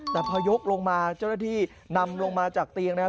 แต่พอยกลงมาเจ้าหน้าที่นำลงมาจากเตียงนะครับ